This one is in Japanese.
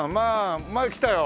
前来たよ。